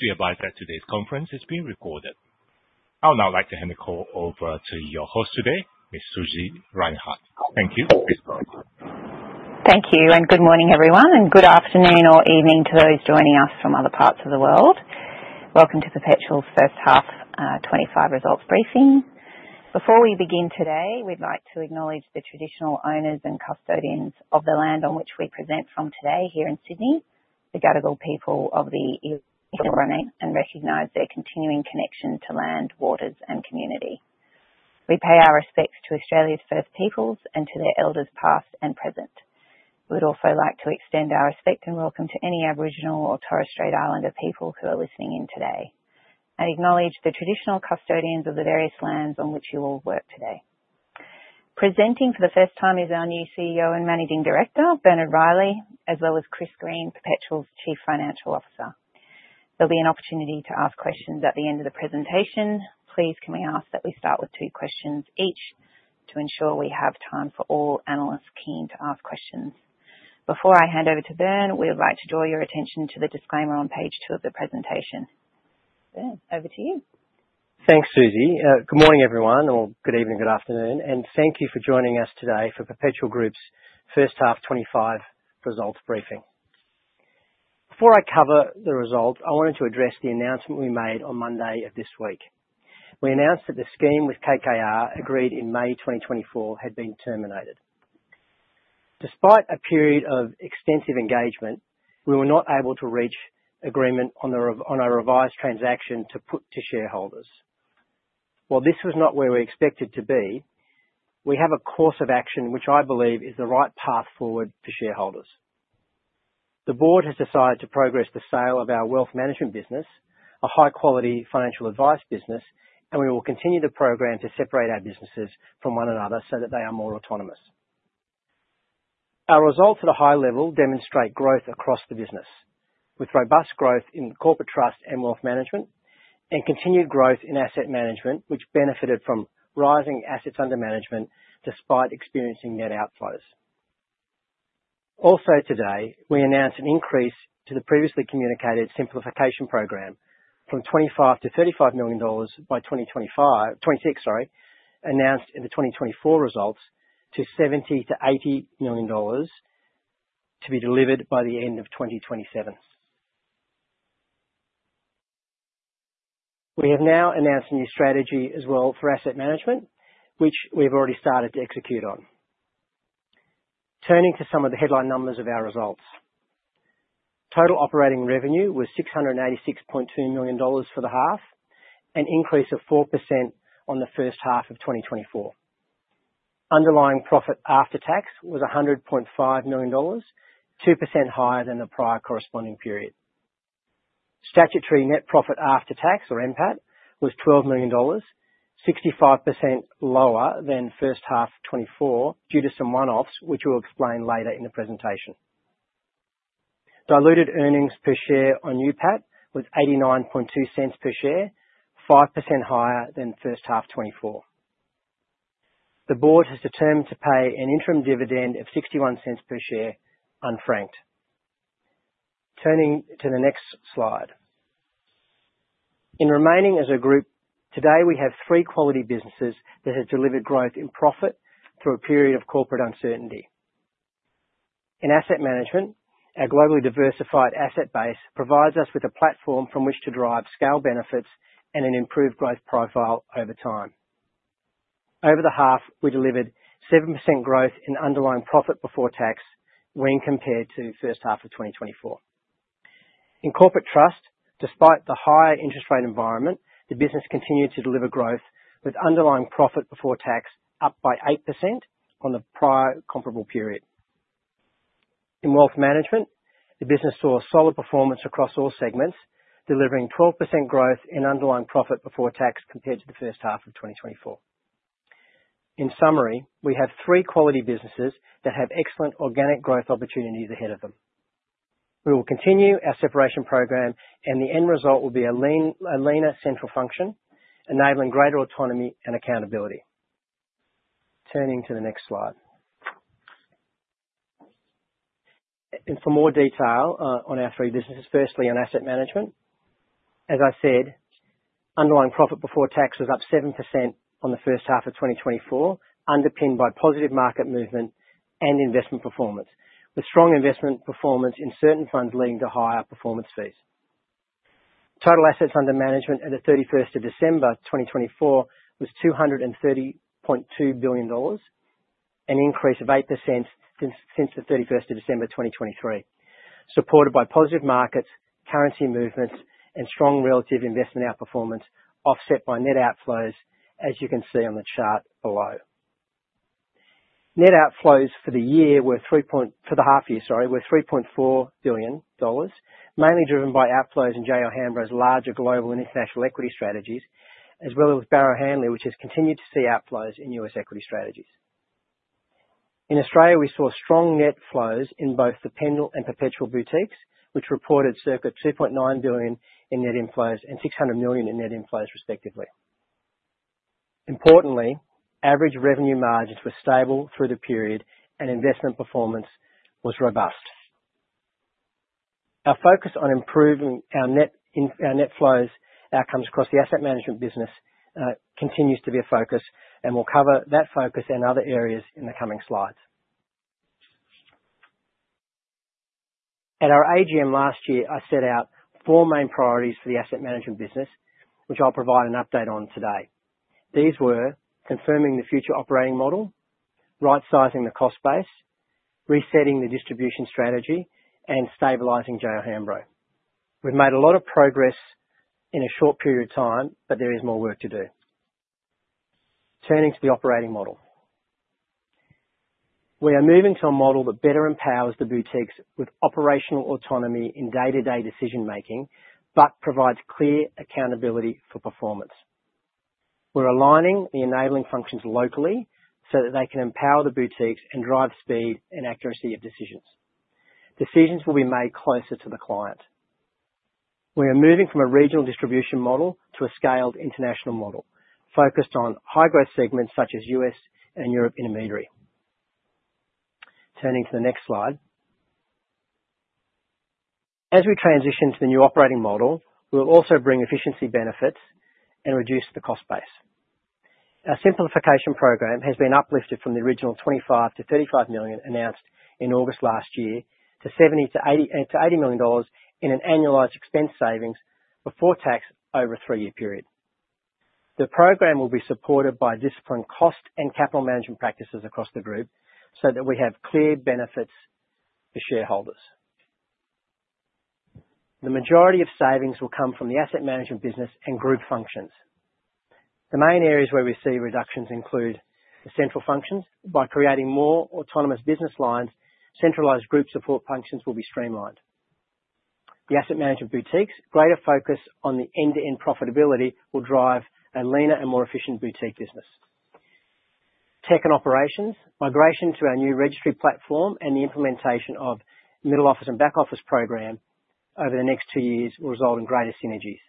This is a live chat to this conference. It's being recorded. I would now like to hand the call over to your host today, Ms. Susie Reinhardt. Thank you. Please go ahead. Thank you, and good morning, everyone, and good afternoon or evening to those joining us from other parts of the world. Welcome to Perpetual's first half 2025 results briefing. Before we begin today, we'd like to acknowledge the traditional owners and custodians of the land on which we present from today here in Sydney, the Gadigal people of the Eora Nation, and recognize their continuing connection to land, waters, and community. We pay our respects to Australia's First Peoples and to their elders past and present. We'd also like to extend our respect and welcome to any Aboriginal or Torres Strait Islander people who are listening in today, and acknowledge the traditional custodians of the various lands on which you all work today. Presenting for the first time is our new CEO and Managing Director, Bernard Reilly, as well as Chris Green, Perpetual's Chief Financial Officer. There'll be an opportunity to ask questions at the end of the presentation. Please, can we ask that we start with two questions each to ensure we have time for all analysts keen to ask questions? Before I hand over to Bern, we would like to draw your attention to the disclaimer on page two of the presentation. Bern, over to you. Thanks, Susie. Good morning, everyone, or good evening, good afternoon, and thank you for joining us today for Perpetual Group's first half 2025 results briefing. Before I cover the results, I wanted to address the announcement we made on Monday of this week. We announced that the scheme with KKR agreed in May 2024 had been terminated. Despite a period of extensive engagement, we were not able to reach agreement on a revised transaction to put to shareholders. While this was not where we expected to be, we have a course of action which I believe is the right path forward for shareholders. The board has decided to progress the sale of Wealth Management business, a high-quality financial advice business, and we will continue the program to separate our businesses from one another so that they are more autonomous. Our results at a high level demonstrate growth Corporate Trust and Wealth Management, and continued growth in asset management, which benefited from rising assets under management despite experiencing net outflows. Also today, we announced an increase to the previously communicated simplification program from 25-35 million dollars by 2025, 2026, sorry, announced in the 2024 results to 70-80 million dollars to be delivered by the end of 2027. We have now announced a new strategy as well for Asset Management, which we've already started to execute on. Turning to some of the headline numbers of our results, total operating revenue was 686.2 million dollars for the half, an increase of 4% on the first half of 2024. Underlying profit after tax was 100.5 million dollars, 2% higher than the prior corresponding period. Statutory net profit after tax, or NPAT, was 12 million dollars, 65% lower than first half 2024 due to some one-offs, which we'll explain later in the presentation. Diluted earnings per share on UPAT was 0.892 per share, 5% higher than first half 2024. The board has determined to pay an interim dividend of 0.61 per share, unfranked. Turning to the next slide. In reimagining as a group, today we have three quality businesses that have delivered growth in profit through a period of corporate uncertainty. In Asset Management, our globally diversified asset base provides us with a platform from which to derive scale benefits and an improved growth profile over time. Over the half, we delivered 7% growth in underlying profit before tax when compared to first half of 2024. In Corporate Trust, despite the higher interest rate environment, the business continued to deliver growth with underlying profit before tax up by 8% on the prior comparable period. Wealth Management, the business saw solid performance across all segments, delivering 12% growth in underlying profit before tax compared to the first half of 2024. In summary, we have three quality businesses that have excellent organic growth opportunities ahead of them. We will continue our separation program, and the end result will be a leaner central function, enabling greater autonomy and accountability. Turning to the next slide. And for more detail on our three businesses, firstly on Asset Management, as I said, underlying profit before tax was up 7% on the first half of 2024, underpinned by positive market movement and investment performance, with strong investment performance in certain funds leading to higher performance fees. Total assets under management at the 31st of December 2024 was 230.2 billion dollars, an increase of 8% since the 31st of December 2023, supported by positive markets, currency movements, and strong relative investment outperformance offset by net outflows, as you can see on the chart below. Net outflows for the year were 3.4 for the half year, sorry, were 3.4 billion dollars, mainly driven by outflows in J.O. Hambro's larger global and international equity strategies, as well as with Barrow Hanley, which has continued to see outflows in US equity strategies. In Australia, we saw strong net flows in both the Pendal and Perpetual boutiques, which reported circa 2.9 billion in net inflows and 600 million in net inflows, respectively. Importantly, average revenue margins were stable through the period, and investment performance was robust. Our focus on improving our net inflows outcomes across the Asset Management business, continues to be a focus, and we'll cover that focus and other areas in the coming slides. At our AGM last year, I set out four main priorities for the Asset Management business, which I'll provide an update on today. These were confirming the future operating model, right-sizing the cost base, resetting the distribution strategy, and stabilizing J.O. Hambro. We've made a lot of progress in a short period of time, but there is more work to do. Turning to the operating model, we are moving to a model that better empowers the boutiques with operational autonomy in day-to-day decision-making but provides clear accountability for performance. We're aligning the enabling functions locally so that they can empower the boutiques and drive speed and accuracy of decisions. Decisions will be made closer to the client. We are moving from a regional distribution model to a scaled international model focused on high-growth segments such as U.S. and Europe intermediary. Turning to the next slide. As we transition to the new operating model, we'll also bring efficiency benefits and reduce the cost base. Our simplification program has been uplifted from the original 25-35 million announced in August last year to 70 to 80 to 80 million dollars in an annualized expense savings before tax over a three-year period. The program will be supported by disciplined cost and capital management practices across the group so that we have clear benefits for shareholders. The majority of savings will come from the Asset Management business and group functions. The main areas where we see reductions include the central functions. By creating more autonomous business lines, centralized group support functions will be streamlined. The Asset Management boutiques. Greater focus on the end-to-end profitability will drive a leaner and more efficient boutique business. Tech and operations. Migration to our new registry platform, and the implementation of middle office and back office program over the next two years will result in greater synergies,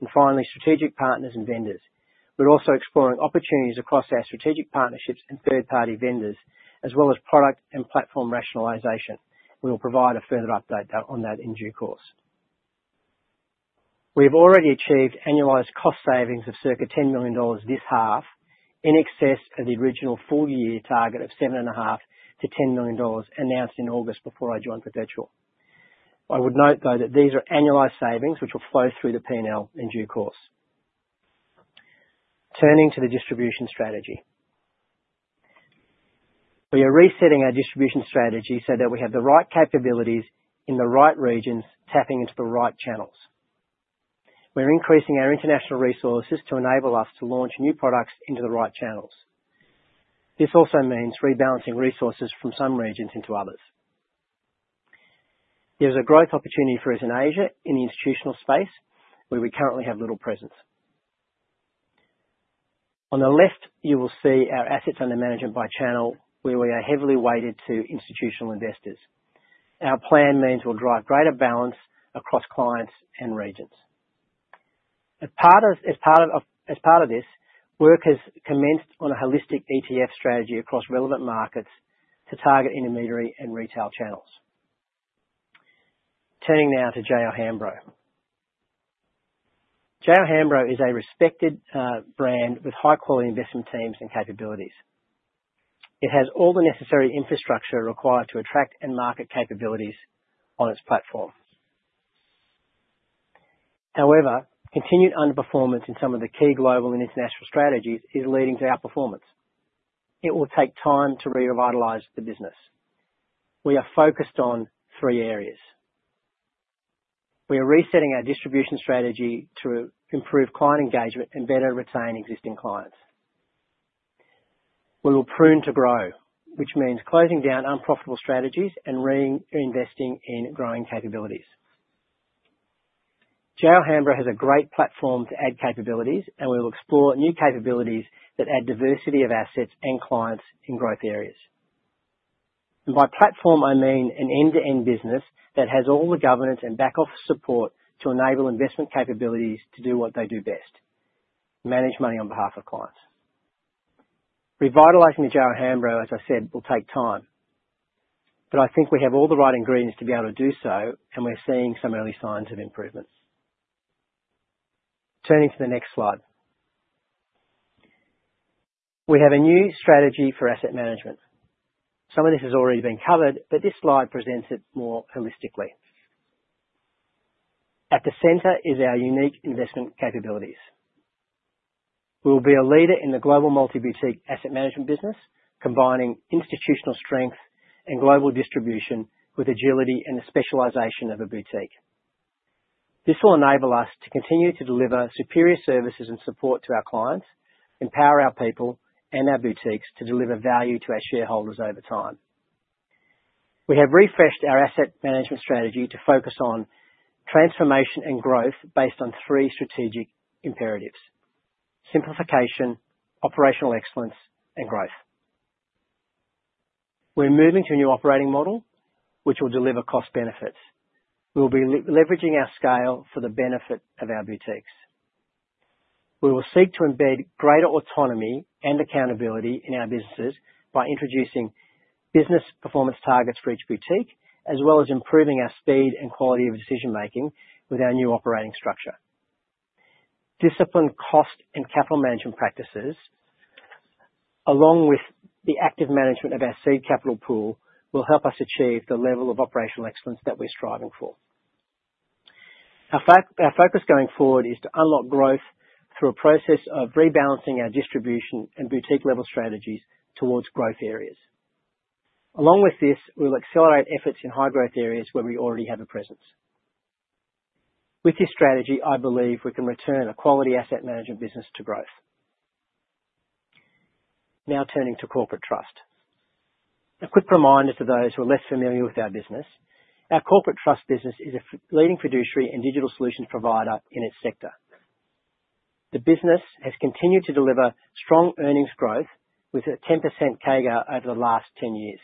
and finally, strategic partners and vendors. We're also exploring opportunities across our strategic partnerships and third-party vendors, as well as product and platform rationalization. We'll provide a further update on that in due course. We have already achieved annualized cost savings of circa 10 million dollars this half, in excess of the original full-year target of 7.5-10 million dollars announced in August before I joined Perpetual. I would note, though, that these are annualized savings which will flow through the P&L in due course. Turning to the distribution strategy, we are resetting our distribution strategy so that we have the right capabilities in the right regions, tapping into the right channels. We're increasing our international resources to enable us to launch new products into the right channels. This also means rebalancing resources from some regions into others. There's a growth opportunity for us in Asia in the institutional space, where we currently have little presence. On the left, you will see our assets under management by channel, where we are heavily weighted to institutional investors. Our plan means we'll drive greater balance across clients and regions. As part of this, work has commenced on a holistic ETF strategy across relevant markets to target intermediary and retail channels. Turning now to J.O. Hambro. J.O. Hambro is a respected brand with high-quality investment teams and capabilities. It has all the necessary infrastructure required to attract and market capabilities on its platform. However, continued underperformance in some of the key global and international strategies is leading to outflows. It will take time to revitalize the business. We are focused on three areas. We are resetting our distribution strategy to improve client engagement and better retain existing clients. We will prune to grow, which means closing down unprofitable strategies and reinvesting in growing capabilities. J.O. Hambro has a great platform to add capabilities, and we will explore new capabilities that add diversity of assets and clients in growth areas. And by platform, I mean an end-to-end business that has all the governance and back-office support to enable investment capabilities to do what they do best: manage money on behalf of clients. Revitalizing the J.O. Hambro, as I said, will take time, but I think we have all the right ingredients to be able to do so, and we're seeing some early signs of improvement. Turning to the next slide. We have a new strategy for Asset Management. Some of this has already been covered, but this slide presents it more holistically. At the center is our unique investment capabilities. We will be a leader in the global multi-boutique Asset Management business, combining institutional strength and global distribution with agility and the specialization of a boutique. This will enable us to continue to deliver superior services and support to our clients, empower our people, and our boutiques to deliver value to our shareholders over time. We have refreshed our asset management strategy to focus on transformation and growth based on three strategic imperatives: simplification, operational excellence, and growth. We're moving to a new operating model, which will deliver cost benefits. We'll be leveraging our scale for the benefit of our boutiques. We will seek to embed greater autonomy and accountability in our businesses by introducing business performance targets for each boutique, as well as improving our speed and quality of decision-making with our new operating structure. Disciplined cost and capital management practices, along with the active management of our seed capital pool, will help us achieve the level of operational excellence that we're striving for. Our focus going forward is to unlock growth through a process of rebalancing our distribution and boutique-level strategies towards growth areas. Along with this, we'll accelerate efforts in high-growth areas where we already have a presence. With this strategy, I believe we can return a quality Asset Management business to growth. Now turning to Corporate Trust. A quick reminder to those who are less familiar with our business: our Corporate Trust business is a leading fiduciary and digital solutions provider in its sector. The business has continued to deliver strong earnings growth with a 10% CAGR over the last 10 years.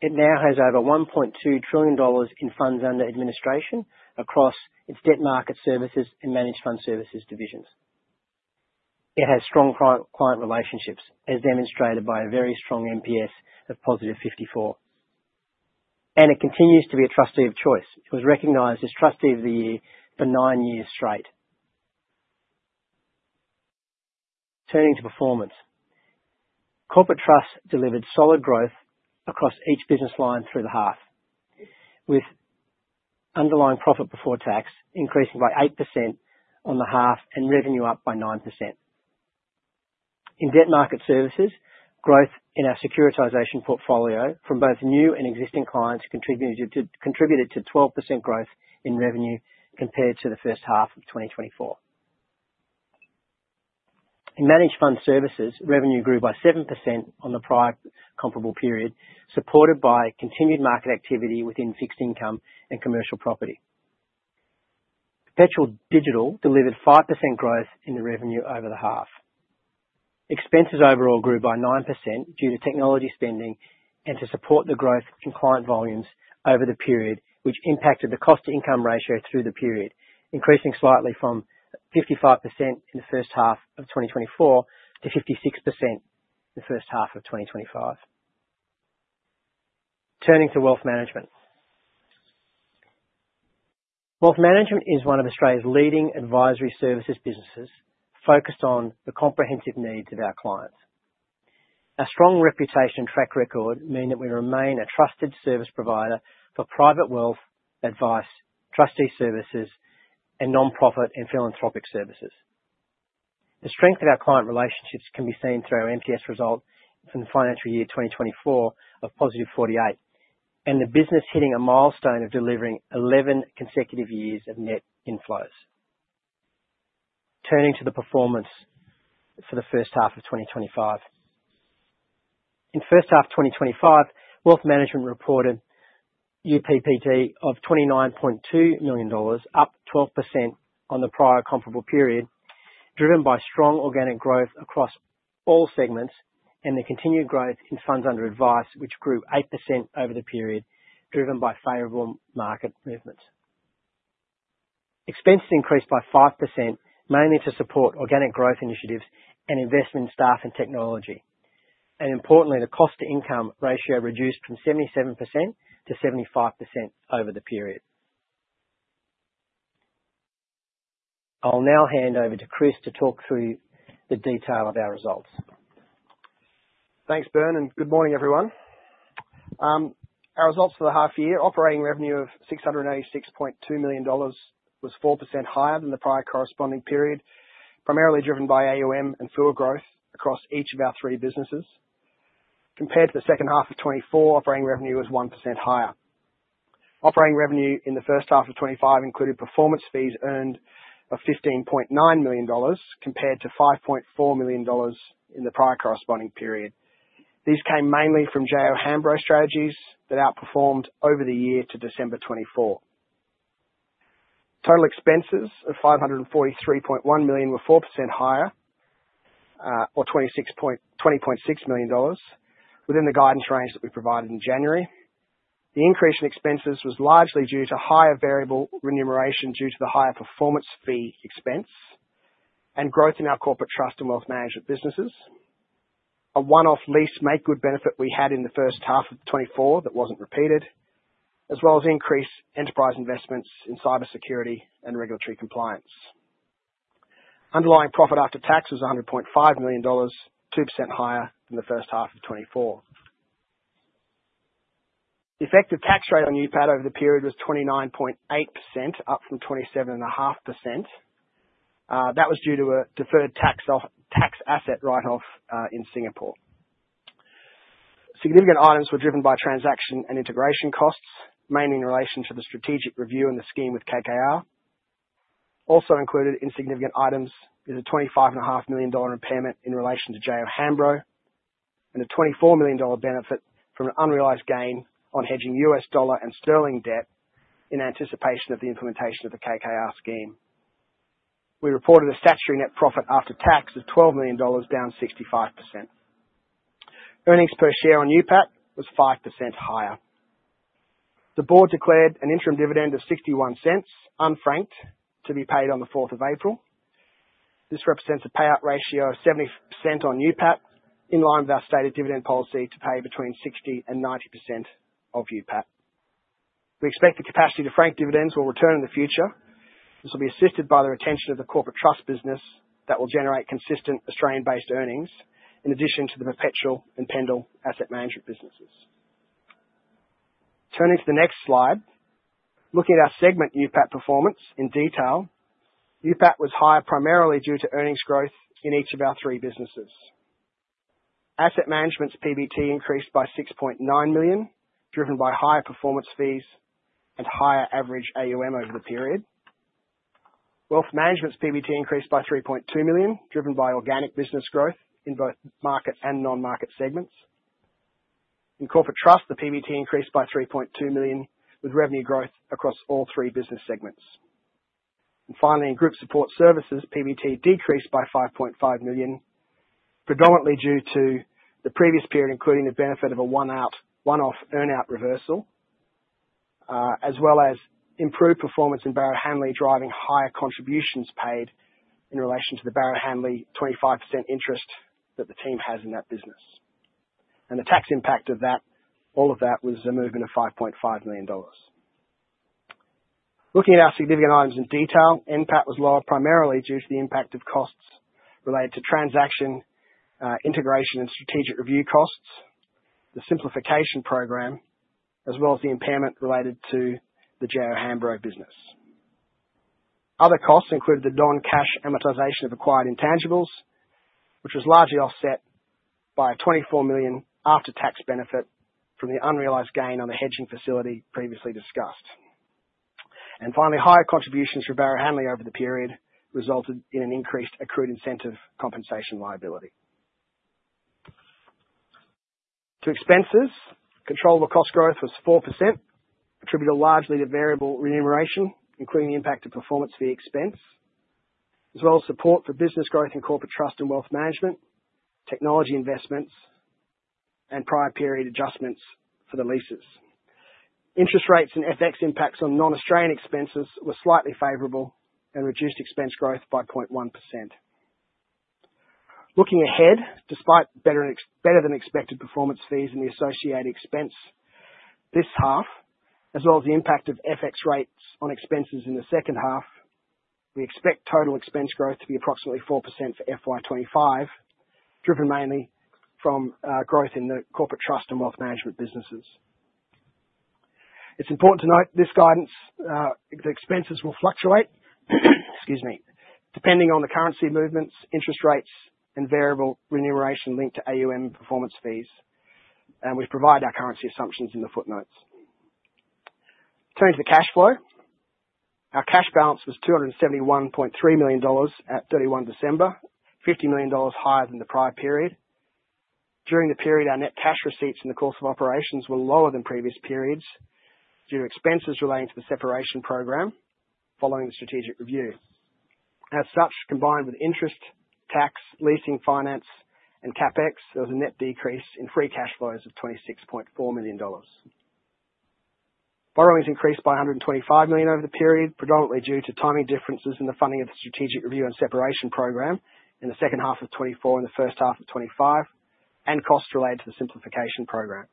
It now has over 1.2 trillion dollars in funds under administration across its Debt Market Services and Managed Fund Services divisions. It has strong client relationships, as demonstrated by a very strong NPS of positive 54. And it continues to be a trustee of choice. It was recognized as trustee of the year for nine years straight. Turning to performance, Corporate Trust delivered solid growth across each business line through the half, with underlying profit before tax increasing by 8% on the half and revenue up by 9%. In Debt Market Services, growth in our securitization portfolio from both new and existing clients contributed to 12% growth in revenue compared to the first half of 2024. In Managed Fund Services, revenue grew by 7% on the prior comparable period, supported by continued market activity within fixed income and commercial property. Perpetual Digital delivered 5% growth in the revenue over the half. Expenses overall grew by 9% due to technology spending and to support the growth in client volumes over the period, which impacted the cost-to-income ratio through the period, increasing slightly from 55% in the first half of 2024 to 56% in the first half of 2025. Turning to Wealth Management is one of Australia's leading advisory services businesses focused on the comprehensive needs of our clients. Our strong reputation and track record mean that we remain a trusted service provider for private wealth advice, trustee services, and nonprofit and philanthropic services. The strength of our client relationships can be seen through our NPS result from the financial year 2024 of positive 48, and the business hitting a milestone of delivering 11 consecutive years of net inflows. Turning to the performance for the first half of 2025. In first half Wealth Management reported UPBT of AUD 29.2 million, up 12% on the prior comparable period, driven by strong organic growth across all segments and the continued growth in funds under advice, which grew 8% over the period, driven by favorable market movements. Expenses increased by 5%, mainly to support organic growth initiatives and investment in staff and technology. And importantly, the cost-to-income ratio reduced from 77% to 75% over the period. I'll now hand over to Chris to talk through the detail of our results. Thanks, Bern, and good morning, everyone. Our results for the half-year: operating revenue of 686.2 million dollars was 4% higher than the prior corresponding period, primarily driven by AUM and full growth across each of our three businesses. Compared to the second half of 2024, operating revenue was 1% higher. Operating revenue in the first half of 2025 included performance fees earned of 15.9 million dollars, compared to 5.4 million dollars in the prior corresponding period. These came mainly from J.O. Hambro strategies that outperformed over the year to December 2024. Total expenses of 543.1 million were 4% higher, or 26.2 million dollars, within the guidance range that we provided in January. The increase in expenses was largely due to higher variable remuneration due to the higher Corporate Trust and Wealth Management businesses, a one-off lease make good benefit we had in the first half of 2024 that wasn't repeated, as well as increased enterprise investments in cybersecurity and regulatory compliance. Underlying profit after tax was 100.5 million dollars, 2% higher than the first half of 2024. The effective tax rate on UPAT over the period was 29.8%, up from 27.5%. That was due to a deferred tax asset write-off in Singapore. Significant items were driven by transaction and integration costs, mainly in relation to the strategic review and the scheme with KKR. Also included in significant items is a 25.5 million dollar impairment in relation to J.O. Hambro and a $24 million benefit from an unrealized gain on hedging US dollar and sterling debt in anticipation of the implementation of the KKR scheme. We reported a statutory net profit after tax of $12 million, down 65%. Earnings per share on UPAT was 5% higher. The board declared an interim dividend of 0.61, unfranked, to be paid on the 4th of April. This represents a payout ratio of 70% on UPAT, in line with our stated dividend policy to pay between 60% and 90% of UPAT. We expect the capacity to frank dividends will return in the future. This will be assisted by the retention of the Corporate Trust business that will generate consistent Australian-based earnings, in addition to the Perpetual and Pendal Asset Management businesses. Turning to the next slide, looking at our segment UPAT performance in detail, UPAT was higher primarily due to earnings growth in each of our three businesses. Asset Management's PBT increased by $6.9 million, driven by higher performance fees and higher average AUM over the period. Wealth Management's PBT increased by $3.2 million, driven by organic business growth in both market and non-market segments. In Corporate Trust, the PBT increased by $3.2 million, with revenue growth across all three business segments. And finally, in Group Support Services, PBT decreased by $5.5 million, predominantly due to the previous period, including the benefit of a one-out, one-off earnout reversal, as well as improved performance in Barrow Hanley, driving higher contributions paid in relation to the Barrow Hanley 25% interest that the team has in that business. And the tax impact of that, all of that was a movement of $5.5 million. Looking at our significant items in detail, NPAT was lower primarily due to the impact of costs related to transaction, integration and strategic review costs, the simplification program, as well as the impairment related to the J.O. Hambro business. Other costs included the non-cash amortization of acquired intangibles, which was largely offset by an 24 million after-tax benefit from the unrealized gain on the hedging facility previously discussed. And finally, higher contributions for Barrow Hanley over the period resulted in an increased accrued incentive compensation liability. To expenses, controllable cost growth was 4%, attributable largely to variable remuneration, including the impact of performance fee expense, as Corporate Trust and Wealth Management, technology investments, and prior period adjustments for the leases. Interest rates and FX impacts on non-Australian expenses were slightly favorable and reduced expense growth by 0.1%. Looking ahead, despite better than expected performance fees and the associated expense, this half, as well as the impact of FX rates on expenses in the second half, we expect total expense growth to be approximately 4% for FY 2025, driven mainly from growth in the Corporate Trust and Wealth Management businesses. It's important to note this guidance, the expenses will fluctuate, excuse me, depending on the currency movements, interest rates, and variable remuneration linked to AUM performance fees, and we've provided our currency assumptions in the footnotes. Turning to the cash flow, our cash balance was 271.3 million dollars at 31 December, 50 million dollars higher than the prior period. During the period, our net cash receipts in the course of operations were lower than previous periods due to expenses relating to the separation program following the strategic review. As such, combined with interest, tax, leasing finance, and CapEx, there was a net decrease in free cash flows of 26.4 million dollars. Borrowing has increased by 125 million over the period, predominantly due to timing differences in the funding of the strategic review and separation program in the second half of 2024 and the first half of 2025, and costs related to the simplification program.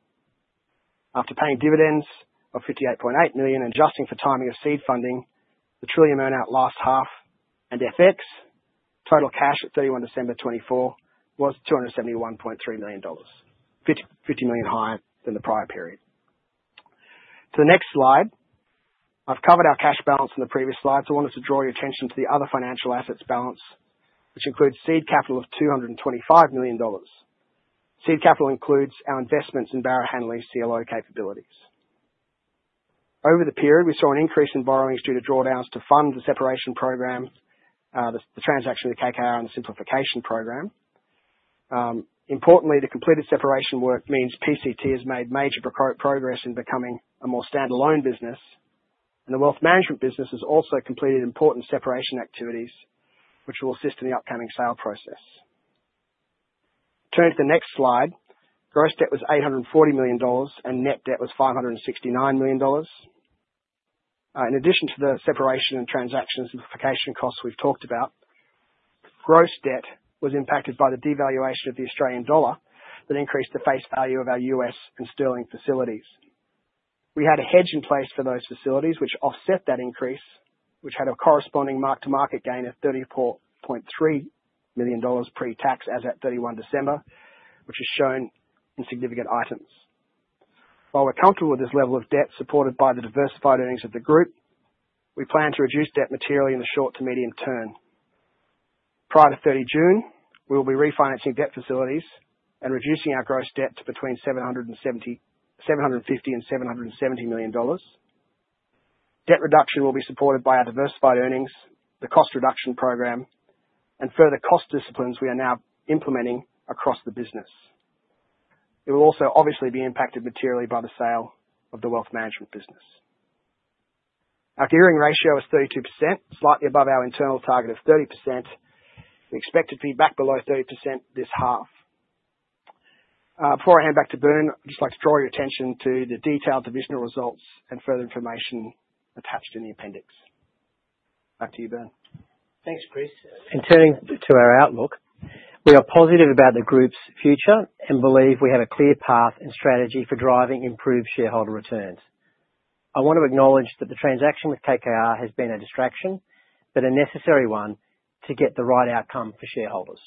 After paying dividends of 58.8 million and adjusting for timing of seed funding, the Trillium earnout last half and FX total cash at 31 December 2024 was AUD 271.3 million, 50 million higher than the prior period. To the next slide, I've covered our cash balance in the previous slide. So I wanted to draw your attention to the other financial assets balance, which includes seed capital of 225 million dollars. Seed capital includes our investments in Barrow Hanley's CLO capabilities. Over the period, we saw an increase in borrowings due to drawdowns to fund the separation program, the transaction with KKR and the simplification program. Importantly, the completed separation work means PCT has made major progress in becoming a more standalone business, and Wealth Management business has also completed important separation activities, which will assist in the upcoming sale process. Turning to the next slide, gross debt was 840 million dollars and net debt was 569 million dollars. In addition to the separation and transaction simplification costs we've talked about, gross debt was impacted by the devaluation of the Australian dollar that increased the face value of our US and sterling facilities. We had a hedge in place for those facilities, which offset that increase, which had a corresponding mark-to-market gain of 34.3 million dollars pre-tax as at 31 December, which is shown in significant items. While we're comfortable with this level of debt supported by the diversified earnings of the group, we plan to reduce debt materially in the short to medium term. Prior to 30 June, we will be refinancing debt facilities and reducing our gross debt to between 750 and 770 million dollars. Debt reduction will be supported by our diversified earnings, the cost reduction program, and further cost disciplines we are now implementing across the business. It will also obviously be impacted materially by the sale of Wealth Management business. Our gearing ratio is 32%, slightly above our internal target of 30%. We expect to be back below 30% this half. Before I hand back to Bern, I'd just like to draw your attention to the detailed divisional results and further information attached in the appendix. Back to you, Bern. Thanks, Chris. In turning to our outlook, we are positive about the group's future and believe we have a clear path and strategy for driving improved shareholder returns. I want to acknowledge that the transaction with KKR has been a distraction, but a necessary one to get the right outcome for shareholders.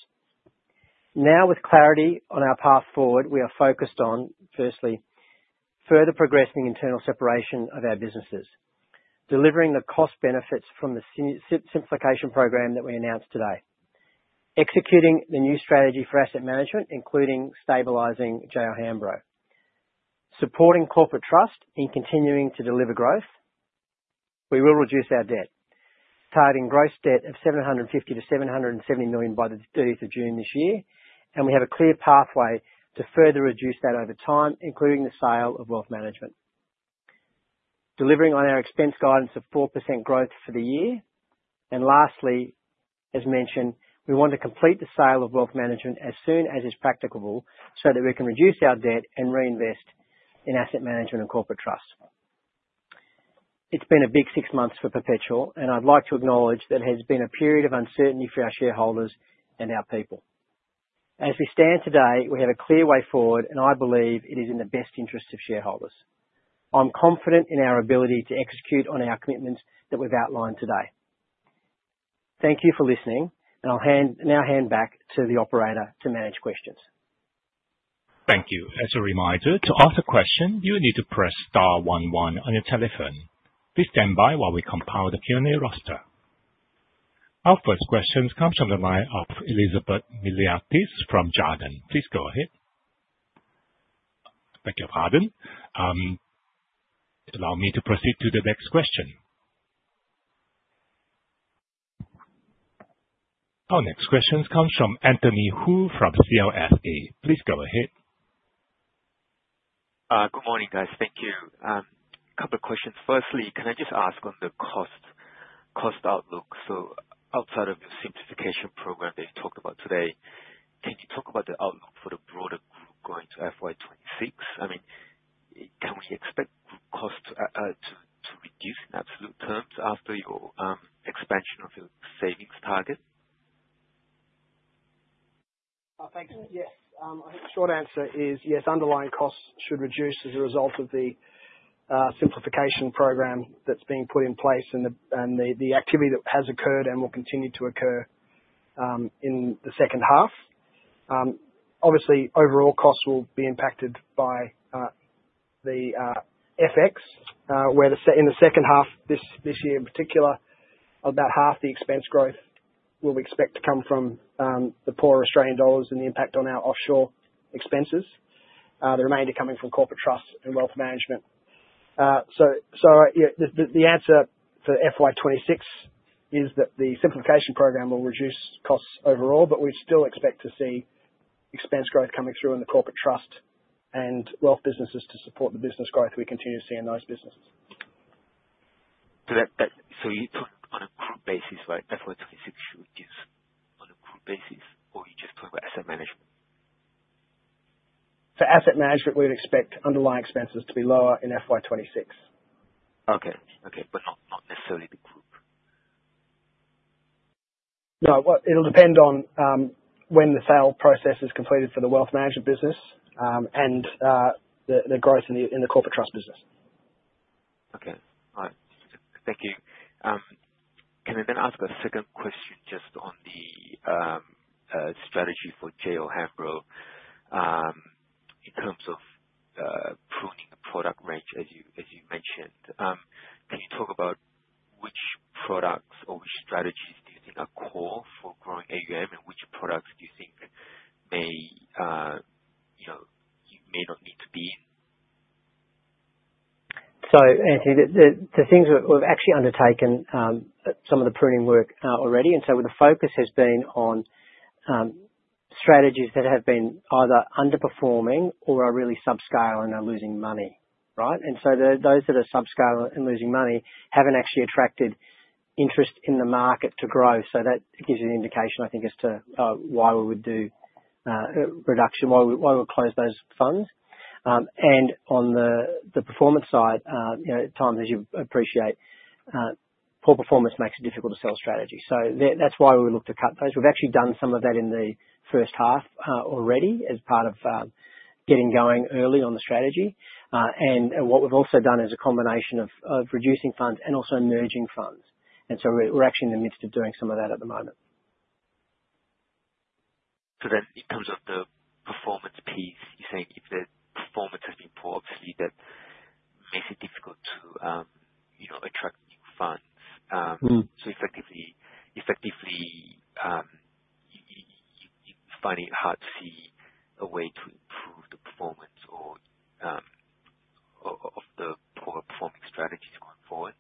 Now, with clarity on our path forward, we are focused on, firstly, further progressing internal separation of our businesses, delivering the cost benefits from the simplification program that we announced today, executing the new strategy for Asset Management, including stabilizing J.O. Hambro, supporting Corporate Trust in continuing to deliver growth. We will reduce our debt, targeting gross debt of 750 million-770 million by the 30th of June this year, and we have a clear pathway to further reduce that over time, including sale of Wealth Management, delivering on our expense guidance of 4% growth for the year. And lastly, as mentioned, we want to complete sale of Wealth Management as soon as it's practicable so that we can reduce our debt and reinvest in Asset Management and Corporate Trust. It's been a big six months for Perpetual, and I'd like to acknowledge that it has been a period of uncertainty for our shareholders and our people. As we stand today, we have a clear way forward, and I believe it is in the best interests of shareholders. I'm confident in our ability to execute on our commitments that we've outlined today. Thank you for listening, and I'll now hand back to the operator to manage questions. Thank you. As a reminder, to ask a question, you need to press star 11 on your telephone. Please stand by while we compile the Q&A roster. Our first question comes from the line of Elizabeth Miliatis from Jarden. Please go ahead. Thank you, Jarden. Allow me to proceed to the next question. Our next question comes from Anthony Hoo from CLSA. Please go ahead. Good morning, guys. Thank you. A couple of questions. Firstly, can I just ask on the cost outlook? So outside of the simplification program that you talked about today, can you talk about the outlook for the broader group going to FY 2026? I mean, can we expect group costs to reduce in absolute terms after your expansion of your savings target? Thanks. Yes. I think the short answer is yes. Underlying costs should reduce as a result of the simplification program that's being put in place and the activity that has occurred and will continue to occur in the second half. Obviously, overall costs will be impacted by the FX, where in the second half this year in particular, about half the expense growth we will expect to come from the poor Australian dollar and the impact on our offshore expenses. The remainder coming from Corporate Trust and Wealth Management. So yeah, the answer for FY 2026 is that the simplification program will reduce costs overall, but we still expect to see expense growth coming through in the and Wealth Management businesses to support the business growth we continue to see in those businesses. That, so you talked on a group basis, right? FY 2026 should reduce on a group basis, or you just talk about Asset Management? For Asset Management, we would expect underlying expenses to be lower in FY 2026. Okay. Okay. But not necessarily the group. No, what it'll depend on is when the sale process is completed for Wealth Management business, and the growth in the Corporate Trust business. Okay. All right. Thank you. Can I then ask a second question just on the strategy for J.O. Hambro, in terms of pruning the product range as you mentioned? Can you talk about which products or which strategies do you think are core for growing AUM, and which products do you think may, you know, you may not need to be in? So, Anthony, the things we've actually undertaken some of the pruning work already. And so the focus has been on strategies that have been either underperforming or are really subscale and are losing money, right? And so those that are subscale and losing money haven't actually attracted interest in the market to grow. So that gives you an indication, I think, as to why we would do reduction, why we'd close those funds, and on the performance side, you know, at times, as you appreciate, poor performance makes it difficult to sell strategy. So that, that's why we look to cut those. We've actually done some of that in the first half already as part of getting going early on the strategy, and what we've also done is a combination of reducing funds and also merging funds. And so we're actually in the midst of doing some of that at the moment. Then in terms of the performance piece, you're saying if the performance has been poor, obviously, that makes it difficult to, you know, attract new funds. So effectively, you find it hard to see a way to improve the performance or of the poorer performing strategies going forward?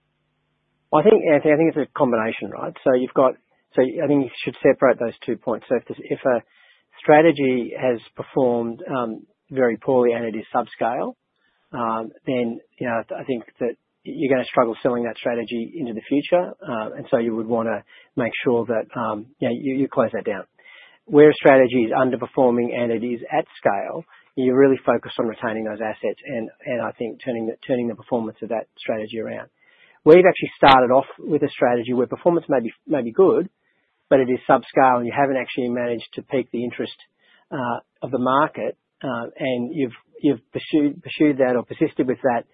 Well, I think, Anthony, it's a combination, right? So I think you should separate those two points. So if a strategy has performed very poorly and it is subscale, then you know, I think that you're gonna struggle selling that strategy into the future. And so you would wanna make sure that you know, you close that down. Where a strategy is underperforming and it is at scale, you really focus on retaining those assets and I think turning the performance of that strategy around. Where you've actually started off with a strategy where performance may be good, but it is subscale and you haven't actually managed to pique the interest of the market, and you've pursued that or persisted with that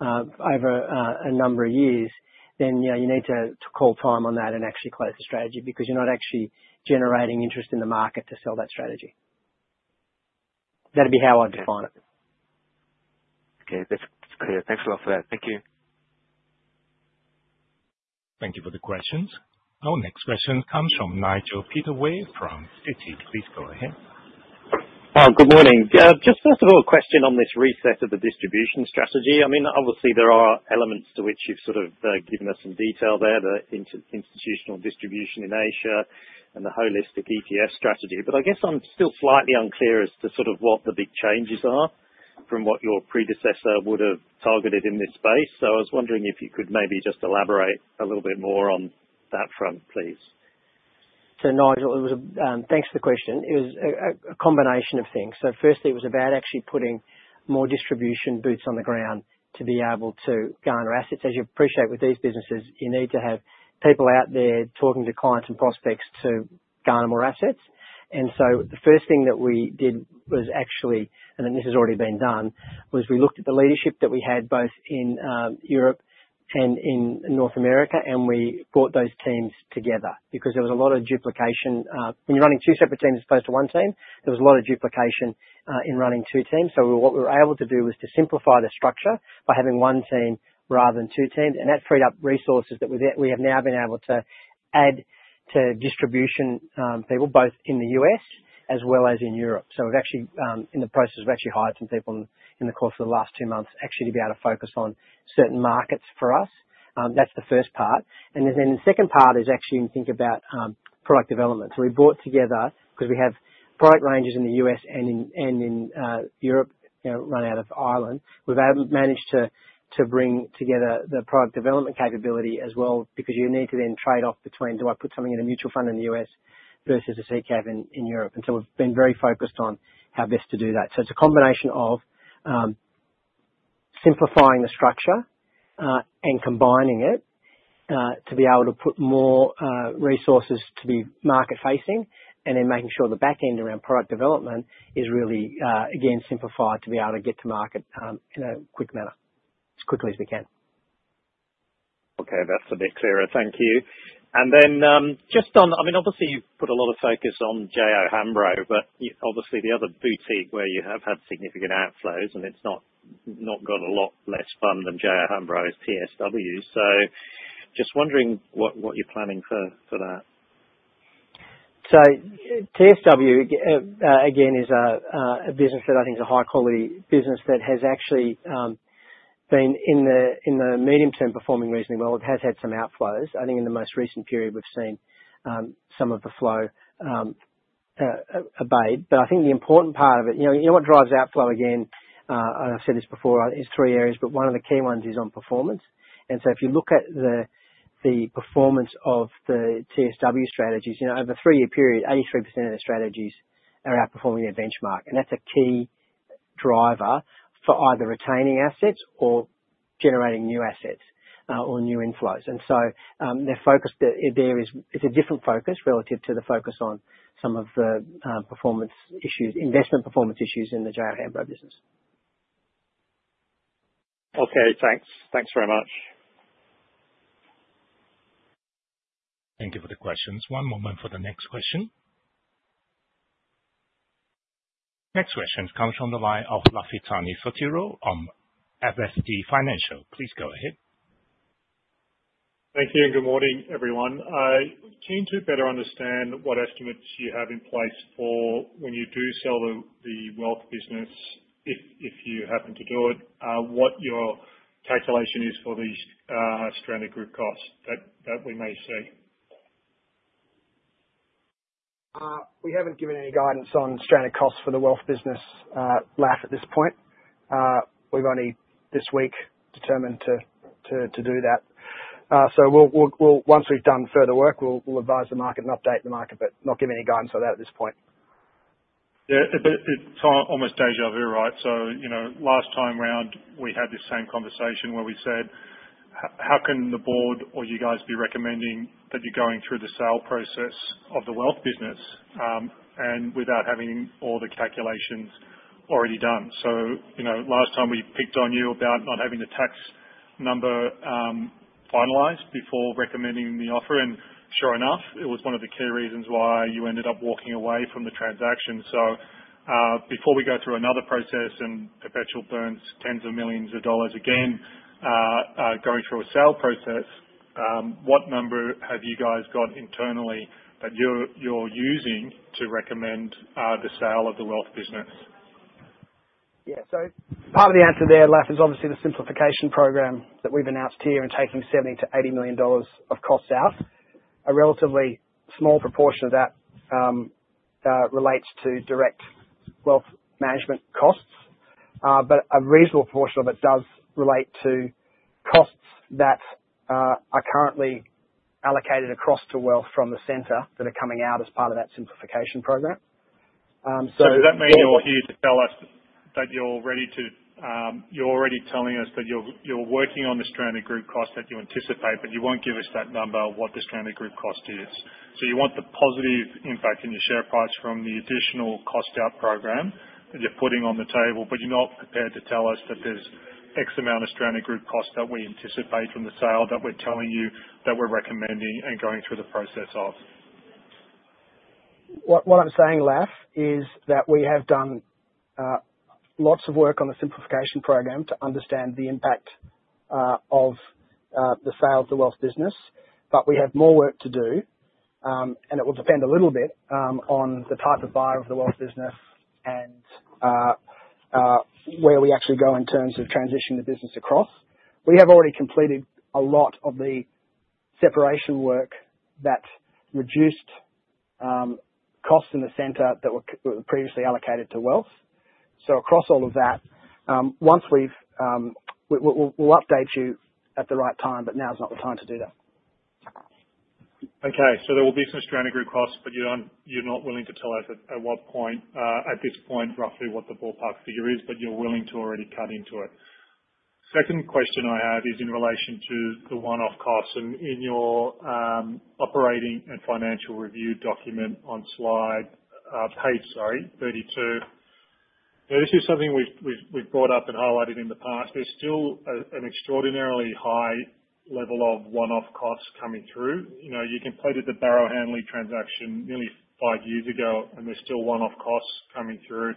over a number of years, then you know you need to call time on that and actually close the strategy because you're not actually generating interest in the market to sell that strategy. That'd be how I'd define it. Okay. That's clear. Thanks a lot for that. Thank you. Thank you for the questions. Our next question comes from Nigel Pittaway from Citi. Please go ahead. Good morning. Just first of all, a question on this reset of the distribution strategy. I mean, obviously, there are elements to which you've sort of given us some detail there, the institutional distribution in Asia and the holistic ETF strategy. But I guess I'm still slightly unclear as to sort of what the big changes are from what your predecessor would've targeted in this space. So I was wondering if you could maybe just elaborate a little bit more on that front, please. So Nigel, thanks for the question. It was a combination of things. So firstly, it was about actually putting more distribution boots on the ground to be able to garner assets. As you appreciate, with these businesses, you need to have people out there talking to clients and prospects to garner more assets. And so the first thing that we did was actually, and this has already been done, was we looked at the leadership that we had both in Europe and in North America, and we brought those teams together because there was a lot of duplication. When you're running two separate teams as opposed to one team, there was a lot of duplication in running two teams. So what we were able to do was to simplify the structure by having one team rather than two teams. And that freed up resources that we've we have now been able to add to distribution, people both in the U.S. as well as in Europe. So we've actually, in the process, we've actually hired some people in, in the course of the last two months actually to be able to focus on certain markets for us. That's the first part. And then the second part is actually, I think, about product development. So we brought together 'cause we have product ranges in the U.S. and in Europe, you know, run out of Ireland. We've managed to bring together the product development capability as well because you need to then trade off between do I put something in a mutual fund in the U.S. versus a CCF in Europe. And so we've been very focused on how best to do that. So it's a combination of simplifying the structure and combining it to be able to put more resources to be market-facing and then making sure the back end around product development is really, again, simplified to be able to get to market in a quick manner, as quickly as we can. Okay. That's a bit clearer. Thank you. And then, just on, I mean, obviously, you've put a lot of focus on J.O. Hambro, but obviously, the other boutique where you have had significant outflows, and it's not got a lot less fund than J.O. Hambro's TSW. So just wondering what you're planning for that. So TSW, again, is a business that I think is a high-quality business that has actually been in the medium term performing reasonably well. It has had some outflows. I think in the most recent period, we've seen some of the flow abate. But I think the important part of it, you know, you know what drives outflow again. I've said this before, is three areas, but one of the key ones is on performance. And so if you look at the performance of the TSW strategies, you know, over a three-year period, 83% of the strategies are outperforming their benchmark. And that's a key driver for either retaining assets or generating new assets, or new inflows. And so, their focus there is. It's a different focus relative to the focus on some of the performance issues, investment performance issues in the J.O. Hambro business. Okay. Thanks. Thanks very much. Thank you for the questions. One moment for the next question. Next question comes from the line of Lafitani at MST Financial. Please go ahead. Thank you. And good morning, everyone. Keen to better understand what estimates you have in place for when you do sell the wealth business, if you happen to do it, what your calculation is for the stranded group costs that we may see. We haven't given any guidance on stranded costs for the wealth business at this point. We've only this week determined to do that. So we'll, once we've done further work, we'll advise the market and update the market, but not give any guidance on that at this point. Yeah. But it's almost déjà vu, right? So, you know, last time round, we had this same conversation where we said, "How can the board or you guys be recommending that you're going through the sale process of the wealth business, and without having all the calculations already done?" So, you know, last time we picked on you about not having the tax number finalized before recommending the offer. And sure enough, it was one of the key reasons why you ended up walking away from the transaction. So, before we go through another process and Perpetual burns tens of millions of AUD again, going through a sale process, what number have you guys got internally that you're using to recommend the sale of the wealth business? Yeah. So part of the answer there, Lafi, is obviously the simplification program that we've announced here and taking 70 million-80 million dollars of costs out. A relatively small proportion of that relates to Wealth Management costs. But a reasonable proportion of it does relate to costs that are currently allocated across to wealth from the center that are coming out as part of that simplification program. So does that mean you're here to tell us that you're ready to, you're already telling us that you're, you're working on the stranded costs that you anticipate, but you won't give us that number of what the stranded costs are. So you want the positive impact in your share price from the additional cost-out program that you're putting on the table, but you're not prepared to tell us that there's X amount of stranded costs that we anticipate from the sale that we're telling you that we're recommending and going through the process of? What, what I'm saying, Lafi, is that we have done lots of work on the simplification program to understand the impact of the sale of the wealth business, but we have more work to do. And it will depend a little bit on the type of buyer of the wealth business and where we actually go in terms of transitioning the business across. We have already completed a lot of the separation work that reduced costs in the center that were previously allocated to wealth. So across all of that, once we've, we'll update you at the right time, but now's not the time to do that. Okay. So there will be some stranded group costs, but you don't, you're not willing to tell us at what point, at this point, roughly what the ballpark figure is, but you're willing to already cut into it. Second question I have is in relation to the one-off costs and in your operating and financial review document on slide, page, sorry, 32. Now, this is something we've brought up and highlighted in the past. There's still an extraordinarily high level of one-off costs coming through. You know, you completed the Barrow Hanley transaction nearly five years ago, and there's still one-off costs coming through.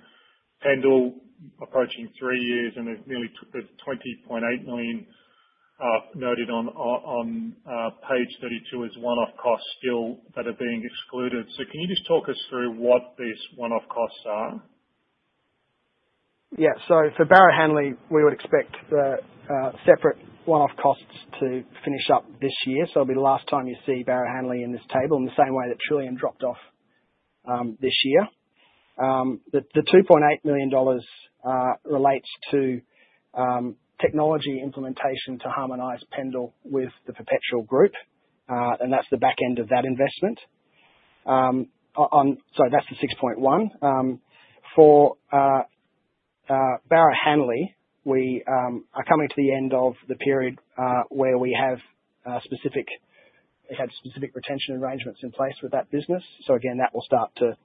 Pendal approaching three years, and there's nearly 20.8 million, noted on page 32 as one-off costs still that are being excluded. So can you just talk us through what these one-off costs are? Yeah. So for Barrow Hanley, we would expect the separate one-off costs to finish up this year. So it'll be the last time you see Barrow Hanley in this table in the same way that Trillium dropped off this year. The 2.8 million dollars relates to technology implementation to harmonize Pendal with the Perpetual Group. And that's the back end of that investment. So that's the 6.1. For Barrow Hanley, we are coming to the end of the period where we had specific retention arrangements in place with that business. So again, that will start to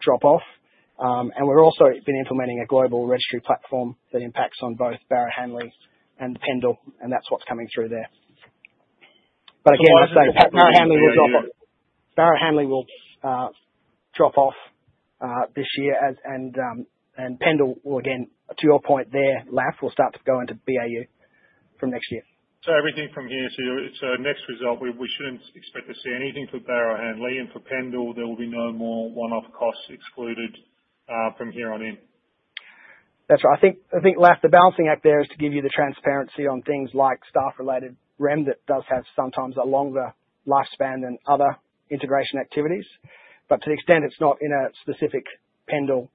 drop off. And we've also been implementing a global registry platform that impacts on both Barrow Hanley and Pendal, and that's what's coming through there. But again, as I say, Barrow Hanley will drop off. Barrow Hanley will drop off this year, and Pendal will, again, to your point there, Lafi, will start to go into BAU from next year. So everything from here to next result, we shouldn't expect to see anything for Barrow Hanley and for Pendal. There will be no more one-off costs excluded from here on in. That's right. I think the balancing act there is to give you the transparency on things like staff-related REM that does have sometimes a longer lifespan than other integration activities. But to the extent it's not in a specific Pendal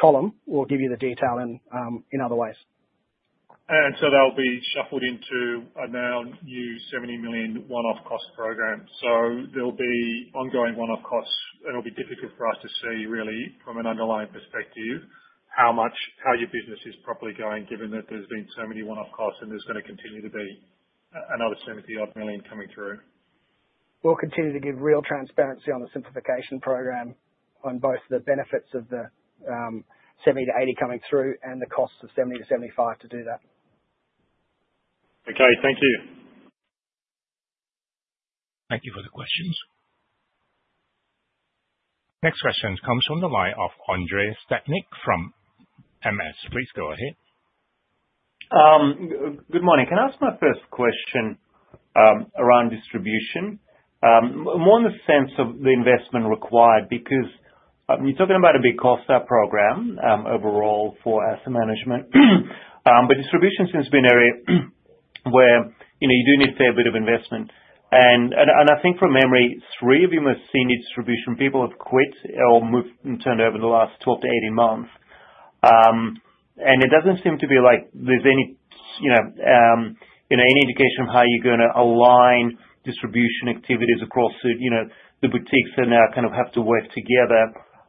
column, we'll give you the detail in other ways. And so that'll be shuffled into a now new 70 million one-off cost program. So there'll be ongoing one-off costs, and it'll be difficult for us to see really from an underlying perspective how much your business is properly going given that there's been so many one-off costs and there's gonna continue to be another 70-odd million coming through. We'll continue to give real transparency on the simplification program on both the benefits of the 70 million to 80 million coming through and the costs of 70 million to 75 million to do that. Okay. Thank you. Thank you for the questions. Next question comes from the line of Andrei Stadnik from MS. Please go ahead. Good morning. Can I ask my first question around distribution? More in the sense of the investment required because you're talking about a big cost-out program overall for Asset Management. But distribution seems to be an area where, you know, you do need to save a bit of investment. And I think from memory, three of you must have seen distribution. People have quit or moved and turned over in the last 12 to 18 months. And it doesn't seem to be like there's any, you know, any indication of how you're gonna align distribution activities across the, you know, the boutiques that now kind of have to work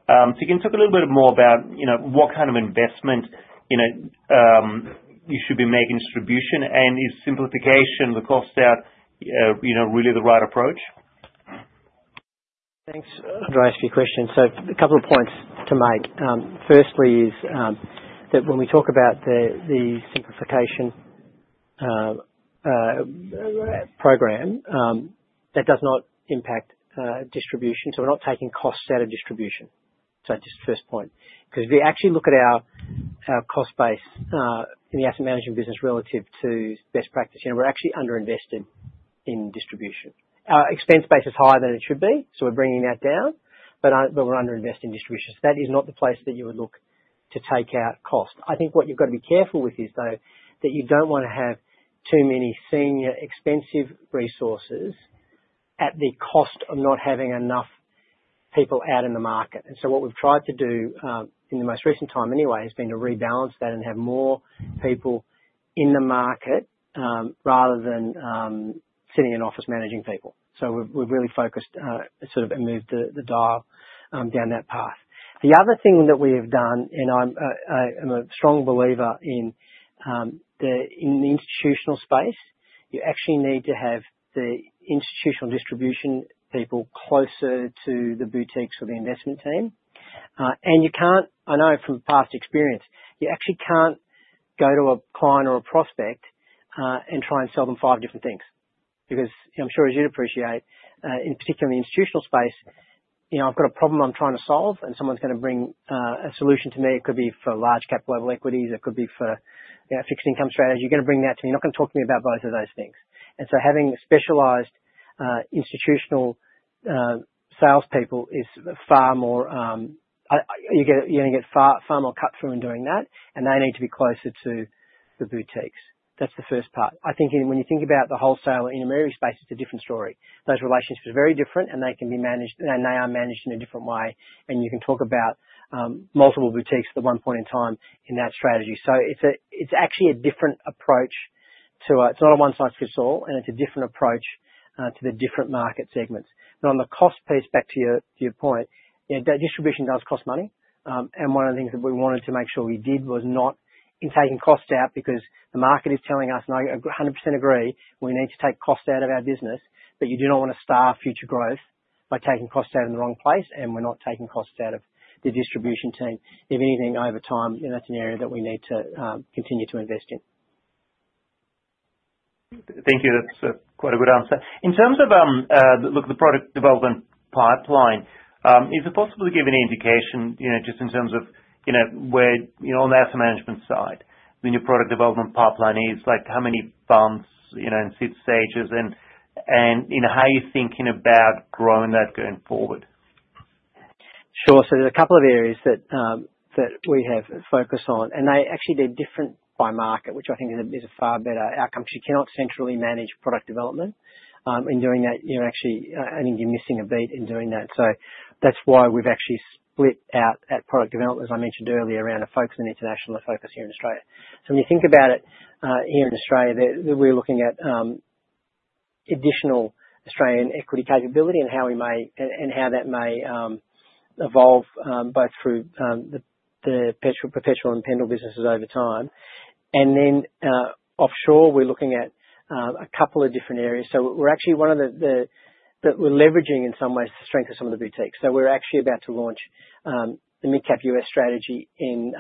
together. So, can you talk a little bit more about, you know, what kind of investment, you know, you should be making in distribution and is simplification the cost-out, you know, really the right approach? Thanks, Andrei. A few questions. So a couple of points to make. Firstly is that when we talk about the simplification program, that does not impact distribution. So we're not taking costs out of distribution. So just first point. 'Cause if you actually look at our cost base in the Asset Management business relative to best practice, you know, we're actually underinvested in distribution. Our expense base is higher than it should be, so we're bringing that down, but we're underinvested in distribution. So that is not the place that you would look to take out cost. I think what you've gotta be careful with is, though, that you don't wanna have too many senior, expensive resources at the cost of not having enough people out in the market. And so what we've tried to do, in the most recent time anyway, has been to rebalance that and have more people in the market, rather than sitting in office managing people. So we've really focused, sort of moved the dial, down that path. The other thing that we have done, and I'm a strong believer in the institutional space, you actually need to have the institutional distribution people closer to the boutiques or the investment team. And you can't. I know from past experience, you actually can't go to a client or a prospect, and try and sell them five different things because, you know, I'm sure as you'd appreciate, in particular in the institutional space, you know, I've got a problem I'm trying to solve, and someone's gonna bring a solution to me. It could be for large-cap global equities. It could be for, you know, a fixed-income strategy. You're gonna bring that to me. You're not gonna talk to me about both of those things. And so having specialized institutional salespeople is far more. You're gonna get far, far more cut through in doing that, and they need to be closer to the boutiques. That's the first part. I think when you think about the wholesaler intermediary space, it's a different story. Those relationships are very different, and they can be managed, and they are managed in a different way, and you can talk about multiple boutiques at one point in time in that strategy. So it's actually a different approach to it. It's not a one-size-fits-all, and it's a different approach to the different market segments. But on the cost piece, back to your point, you know, that distribution does cost money, and one of the things that we wanted to make sure we did was not in taking costs out because the market is telling us, "No, I 100% agree. We need to take costs out of our business," but you do not wanna starve future growth by taking costs out in the wrong place, and we're not taking costs out of the distribution team. If anything, over time, you know, that's an area that we need to continue to invest in. Thank you. That's quite a good answer. In terms of, look, the product development pipeline, is it possible to give any indication, you know, just in terms of, you know, where, you know, on the Asset Management side, when your product development pipeline is, like, how many funds, you know, and seed stages, and, you know, how are you thinking about growing that going forward? Sure. So there's a couple of areas that we have focused on, and they actually they're different by market, which I think is a far better outcome 'cause you cannot centrally manage product development, in doing that. You're actually, I think you're missing a beat in doing that. That's why we've actually split out our product development, as I mentioned earlier, around a focus and international focus here in Australia. When you think about it, here in Australia, we're looking at additional Australian equity capability and how that may evolve both through the Perpetual and Pendal businesses over time. And then, offshore, we're looking at a couple of different areas. So we're actually one of the that we're leveraging in some ways to strengthen some of the boutiques. So we're actually about to launch the mid-cap US strategy in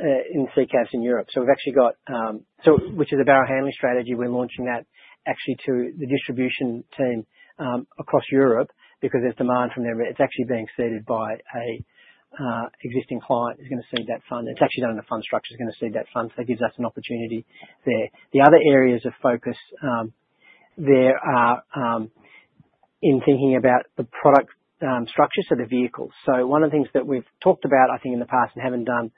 CCF in Europe. We've actually got, which is a Barrow Hanley strategy. We're launching that actually to the distribution team across Europe because there's demand from there. It's actually being seeded by an existing client who's gonna seed that fund. It's actually done in a fund structure. It's gonna seed that fund. So that gives us an opportunity there. The other areas of focus there are in thinking about the product structure, so the vehicles. So one of the things that we've talked about, I think, in the past and haven't done,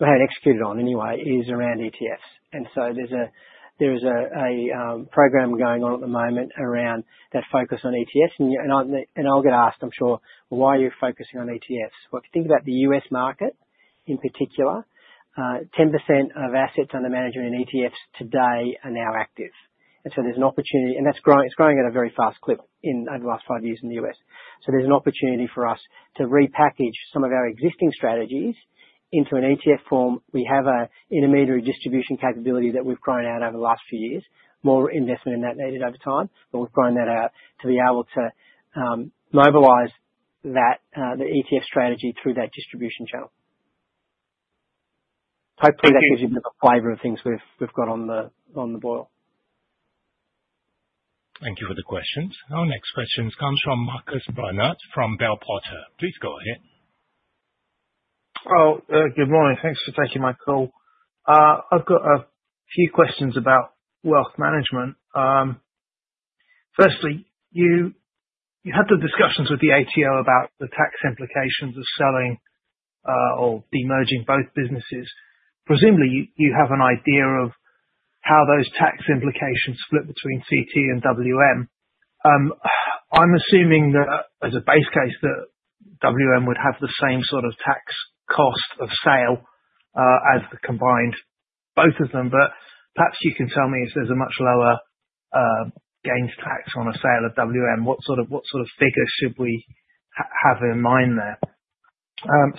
we haven't executed on anyway, is around ETFs. And so there's a program going on at the moment around that focus on ETFs. And I'll get asked, I'm sure, "Why are you focusing on ETFs?" Well, if you think about the US market in particular, 10% of assets under management in ETFs today are now active. And so there's an opportunity, and that's growing. It's growing at a very fast clip over the last five years in the US. So there's an opportunity for us to repackage some of our existing strategies into an ETF form. We have an intermediary distribution capability that we've grown out over the last few years. More investment in that needed over time, but we've grown that out to be able to mobilize that, the ETF strategy through that distribution channel. Hopefully, that gives you a bit of a flavor of things we've got on the boil. Thank you for the questions. Our next questions comes from Marcus Reynolds from Bell Potter. Please go ahead. Hello. Good morning. Thanks for taking my call. I've got a few questions Wealth Management. firstly, you had the discussions with the ATO about the tax implications of selling, or the merging both businesses. Presumably, you have an idea of how those tax implications split between CT and WM. I'm assuming that as a base case, that WM would have the same sort of tax cost of sale, as the combined both of them. But perhaps you can tell me if there's a much lower gains tax on a sale of WM. What sort of figure should we have in mind there?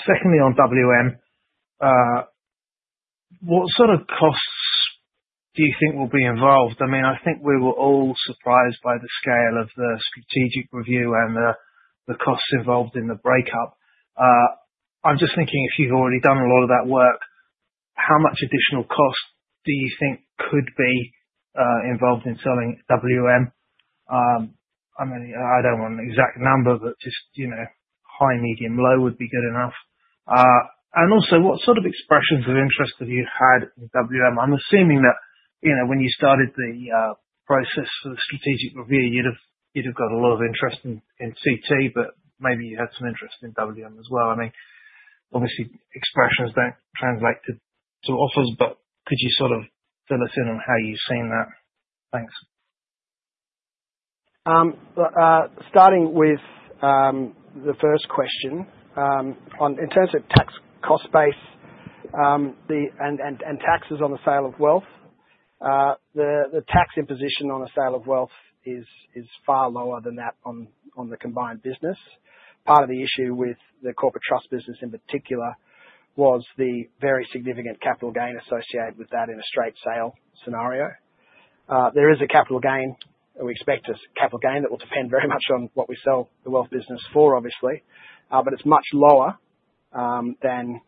Secondly, on WM, what sort of costs do you think will be involved? I mean, I think we were all surprised by the scale of the strategic review and the costs involved in the breakup. I'm just thinking if you've already done a lot of that work, how much additional cost do you think could be involved in selling WM? I mean, I don't want an exact number, but just, you know, high, medium, low would be good enough. And also, what sort of expressions of interest have you had in WM? I'm assuming that, you know, when you started the process for the strategic review, you'd have got a lot of interest in CT, but maybe you had some interest in WM as well. I mean, obviously, expressions don't translate to offers, but could you sort of fill us in on how you've seen that? Thanks. But starting with the first question, on, in terms of tax cost base and taxes on the sale of wealth, the tax imposition on a sale of wealth is far lower than that on the combined business. Part of the issue with the Corporate Trust business in particular was the very significant capital gain associated with that in a straight sale scenario. There is a capital gain that we expect, a capital gain that will depend very much on what we sell the wealth business for, obviously, but it's much lower than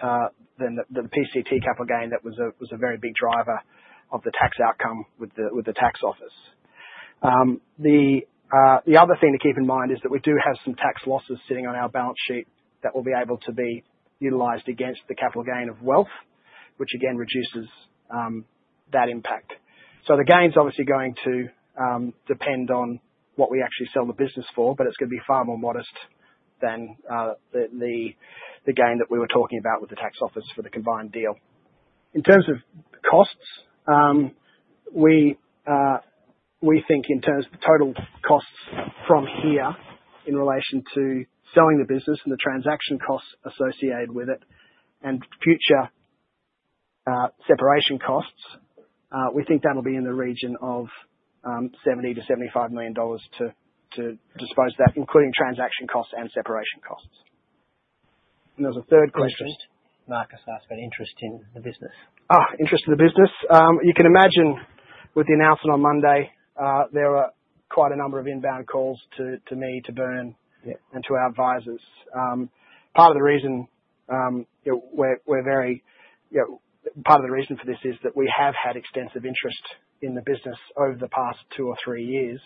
the PCT capital gain that was a very big driver of the tax outcome with the tax office. The other thing to keep in mind is that we do have some tax losses sitting on our balance sheet that will be able to be utilized against the capital gain of wealth, which again reduces that impact. The gain's obviously going to depend on what we actually sell the business for, but it's gonna be far more modest than the gain that we were talking about with the tax office for the combined deal. In terms of costs, we think in terms of the total costs from here in relation to selling the business and the transaction costs associated with it and future separation costs. We think that'll be in the region of 70-75 million dollars to dispose that, including transaction costs and separation costs. And there was a third question. Interest, Marcus, asked about interest in the business. Oh, interest in the business. You can imagine with the announcement on Monday, there are quite a number of inbound calls to me, to Bern and to our advisors. Part of the reason, you know, we're very, you know, part of the reason for this is that we have had extensive interest in the business over the past two or three years.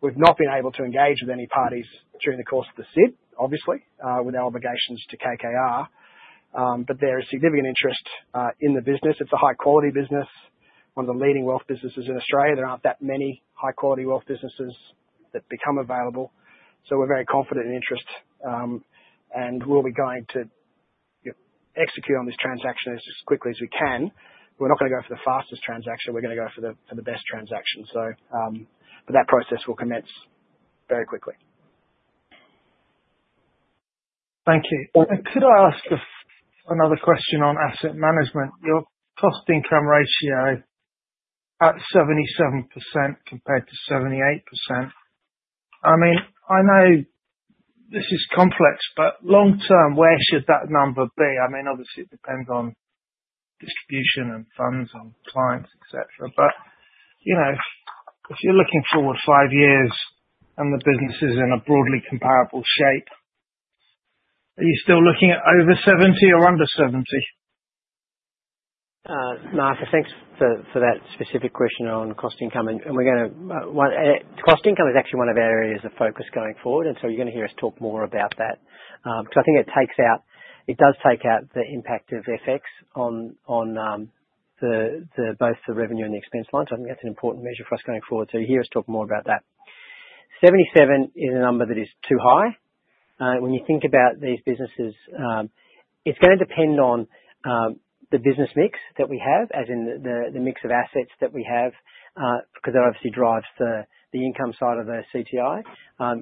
We've not been able to engage with any parties during the course of the SID, obviously, with our obligations to KKR. But there is significant interest in the business. It's a high-quality business, one of the leading wealth businesses in Australia. There aren't that many high-quality wealth businesses that become available. So we're very confident in interest, and we'll be going to, you know, execute on this transaction as quickly as we can. We're not gonna go for the fastest transaction. We're gonna go for the, for the best transaction. So, but that process will commence very quickly. Thank you. Could I ask another question on Asset Management? Your cost-income ratio at 77% compared to 78%. I mean, I know this is complex, but long-term, where should that number be? I mean, obviously, it depends on distribution and funds and clients, etc. But you know, if you're looking forward five years and the business is in a broadly comparable shape, are you still looking at over 70 or under 70? Marcus, thanks for that specific question on cost-income. And we're gonna. Cost-income is actually one of our areas of focus going forward. And so you're gonna hear us talk more about that, 'cause I think it takes out. It does take out the impact of FX on both the revenue and the expense line. So I think that's an important measure for us going forward. So you hear us talk more about that. 77 is a number that is too high. When you think about these businesses, it's gonna depend on the business mix that we have, as in the mix of assets that we have, 'cause that obviously drives the income side of the CTI. But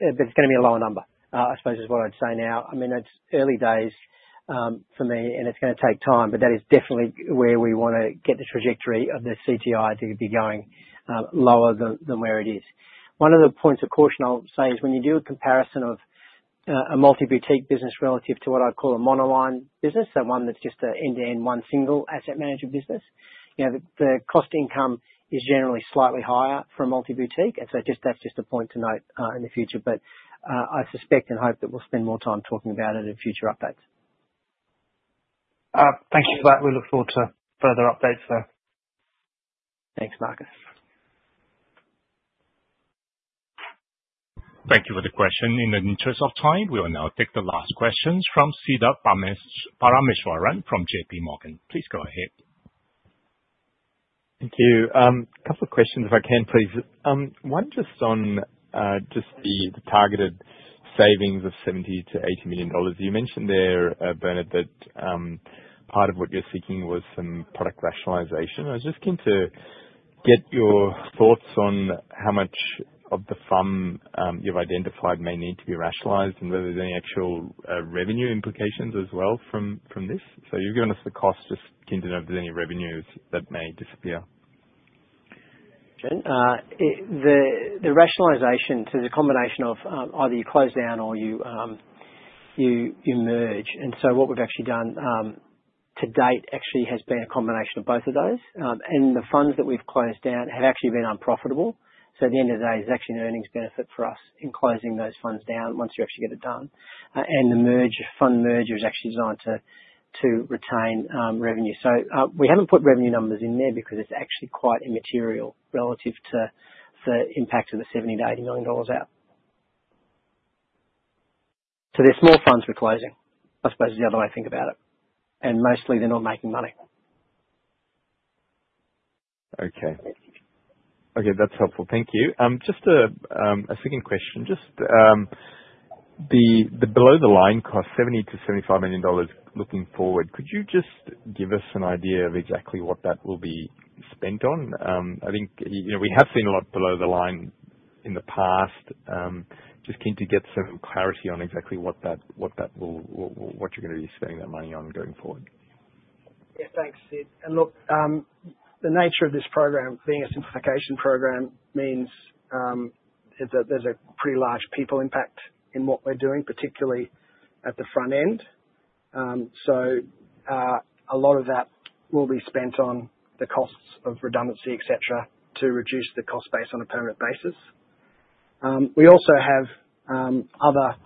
it's gonna be a lower number, I suppose is what I'd say now. I mean, it's early days for me, and it's gonna take time, but that is definitely where we wanna get the trajectory of the CTI to be going, lower than where it is. One of the points of caution I'll say is when you do a comparison of a multi-boutique business relative to what I'd call a monoline business, so one that's just an end-to-end one single Asset Management business. You know, the cost-income is generally slightly higher for a multi-boutique. And so just, that's just a point to note in the future. But I suspect and hope that we'll spend more time talking about it in future updates. Thank you for that. We look forward to further updates there. Thanks, Marcus. Thank you for the question. In the interest of time, we will now take the last questions from Sid Parameswaran from J.P. Morgan. Please go ahead. Thank you. A couple of questions, if I can, please. One just on just the targeted savings of 70 million-80 million dollars. You mentioned there, Bernard, that part of what you're seeking was some product rationalization. I was just keen to get your thoughts on how much of the fund you've identified may need to be rationalized and whether there's any actual revenue implications as well from this. So you've given us the cost, just keen to know if there's any revenues that may disappear. Okay. With it, the rationalization, so there's a combination of either you close down or you merge. And so what we've actually done to date actually has been a combination of both of those. And the funds that we've closed down have actually been unprofitable. So at the end of the day, there's actually an earnings benefit for us in closing those funds down once you actually get it done. And the merger, fund merger is actually designed to retain revenue. So, we haven't put revenue numbers in there because it's actually quite immaterial relative to the impact of the $70-80 million out. So they're small funds we're closing, I suppose is the other way to think about it. And mostly they're not making money. Okay. Okay. That's helpful. Thank you. Just a second question. Just the below-the-line cost, 70 million-75 million dollars looking forward, could you just give us an idea of exactly what that will be spent on? I think, you know, we have seen a lot below the line in the past. Just keen to get some clarity on exactly what that will be spent on going forward. Yeah. Thanks, Sid. Look, the nature of this program, being a simplification program, means there's a pretty large people impact in what we're doing, particularly at the front end, so a lot of that will be spent on the costs of redundancy, etc., to reduce the cost base on a permanent basis. We also have other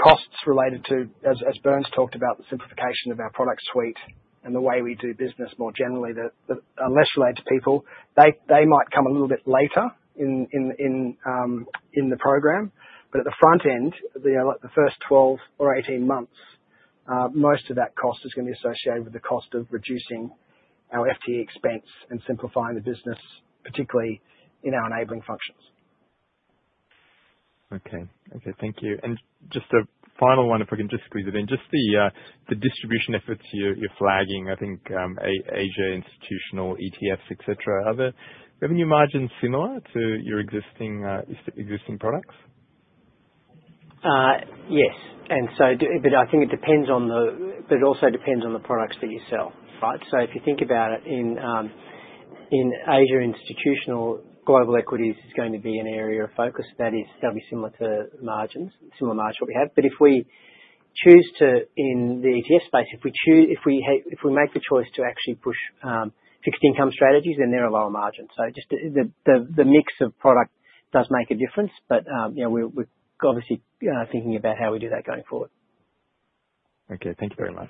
costs related to, as Bern's talked about, the simplification of our product suite and the way we do business more generally that are less related to people. They might come a little bit later in the program. But at the front end, like the first 12 or 18 months, most of that cost is gonna be associated with the cost of reducing our FTE expense and simplifying the business, particularly in our enabling functions. Okay. Okay. Thank you. And just a final one, if I can just squeeze it in. Just the distribution efforts you're flagging, I think, Asia Institutional, ETFs, etc. Are the revenue margins similar to your existing products? Yes. And so do, but I think it depends on the products that you sell, right? So if you think about it in Asia Institutional, global equities is going to be an area of focus. That is, that'll be similar to margins, similar margin to what we have. But if we choose to, in the ETF space, if we make the choice to actually push fixed income strategies, then they're a lower margin. So just the mix of product does make a difference. But, you know, we're obviously thinking about how we do that going forward. Okay. Thank you very much.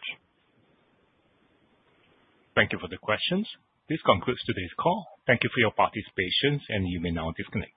Thank you for the questions. This concludes today's call. Thank you for your participation, and you may now disconnect.